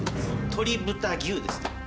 鶏豚牛ですね